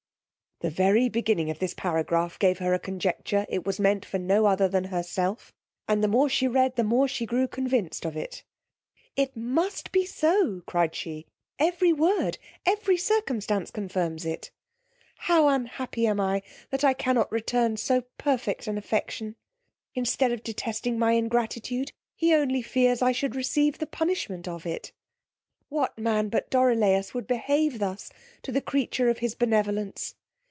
The very beginning of this paragraph gave her a conjecture it was meant for no other than herself; and the more she read, the more she grew convinced, of it. It must be so, cryed she; every word, every circumstance confirms it. How unhappy am I that I cannot return so perfect an affection! Instead of detesting my ingratitude, he only fears I should receive the punishment of it. What man but Dorilaus would behave thus to the creature of his benevolence?